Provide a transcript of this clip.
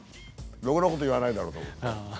ろくなこと言わないだろうと思って。